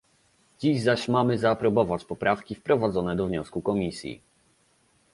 Dziś zaś mamy zaaprobować poprawki wprowadzone do wniosku Komisji